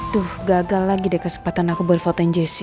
tuh gagal lagi deh kesempatan aku buat fotonya jessy